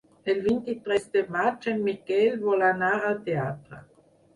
El vint-i-tres de maig en Miquel vol anar al teatre.